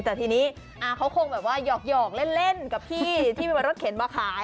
แต่ทีนี้เขาคงแบบว่าหยอกเล่นกับพี่ที่เป็นรถเข็นมาขาย